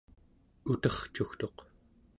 utercugtuq